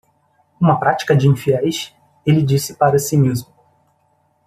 "Uma prática de infiéis?" ele disse para si mesmo.